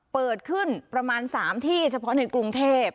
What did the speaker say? เปิดขึ้นประมาณ๓ที่เฉพาะในกรุงเทพ